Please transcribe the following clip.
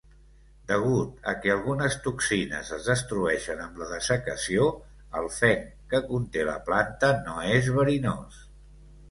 Degut a que algunes toxines es destrueixen amb la dessecació, el fenc que conté la planta no és verinós.